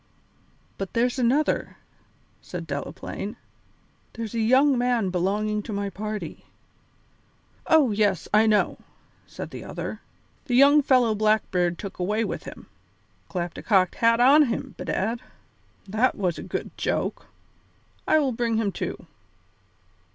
"But there's another," said Delaplaine; "there's a young man belonging to my party " "Oh, yes, I know," said the other, "the young fellow Blackbeard took away with him. Clapped a cocked hat on him, bedad! That was a good joke! I will bring him too.